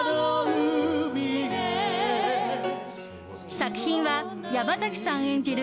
作品は山崎さん演じる